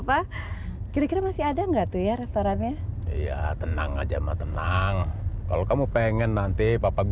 aku pikir tadi waduh serem banget ya pokoknya